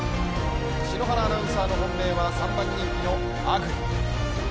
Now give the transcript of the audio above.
篠原アナウンサーの本命は３番人気のアグリ。